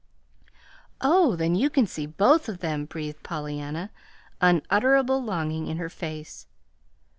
"Oh, then you can see both of them," breathed Pollyanna, unutterable longing in her face.